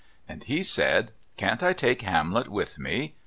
And he said: "Can't I take Hamlet with me?"